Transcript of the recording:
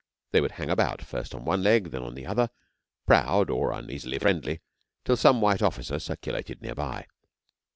They would hang about, first on one leg, then on the other, proud or uneasily friendly, till some white officer circulated near by.